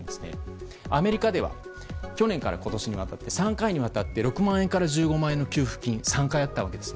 アメリカでは去年から今年３回にわたって６万円から１５万円の給付金が３回あったわけです。